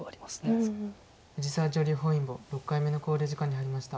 藤沢女流本因坊６回目の考慮時間に入りました。